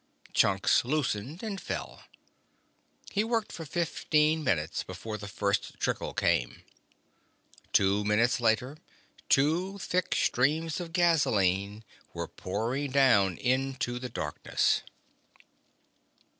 Chunks loosened and fell. He worked for fifteen minutes before the first trickle came. Two minutes later, two thick streams of gasoline were pouring down into the darkness.